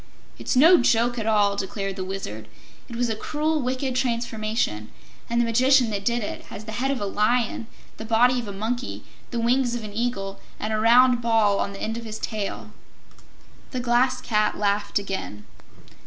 "It's no joke at all," declared the Wizard. "It was a cruel, wicked transformation, and the Magician that did it has the head of a lion, the body of a monkey, the wings of an eagle and a round ball on the end of his tail." The Glass Cat laughed again.